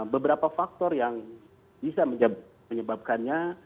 beberapa faktor yang bisa menyebabkannya